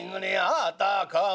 あたかも